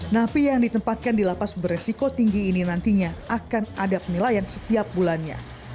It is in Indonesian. napi yang ditempatkan di lapas beresiko tinggi ini nantinya akan ada penilaian setiap bulannya